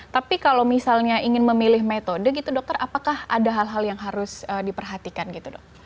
tapi kalau misalnya ingin memilih metode gitu dokter apakah ada hal hal yang harus diperhatikan gitu dok